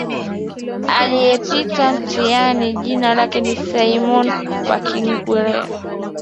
aliyepita mtaani jina lake ni Simoni wa Kurene